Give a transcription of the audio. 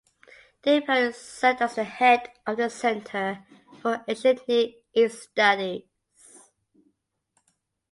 De Pury served as the head of the center for Ancient Near East Studies.